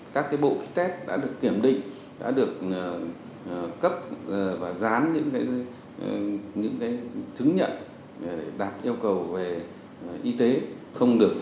các bộ kit test đã được kiểm định đã được cấp và dán những chứng nhận để đạt yêu cầu về y tế không được